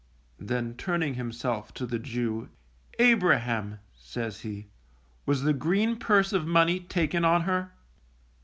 _ Then turning himself to the Jew, Abraham, says he, _was the green purse of money taken on her?